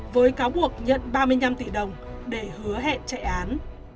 với cáo buộc nhận ba mươi năm tỷ đồng để hứa hẹn chạy án